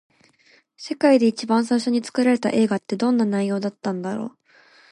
世界で一番最初に作られた映画って、どんな内容だったんだろう。